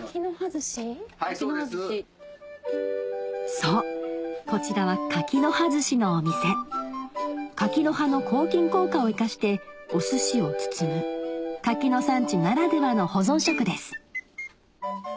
そうこちらは柿の葉ずしのお店柿の葉の抗菌効果を生かしておすしを包む柿の産地ならではの保存食です